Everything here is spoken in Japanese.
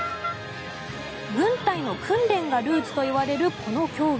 軍隊の訓練がルーツといわれるこの競技。